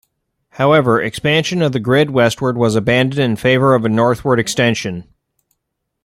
However, expansion of the grid westward was abandoned in favour of a northward extension.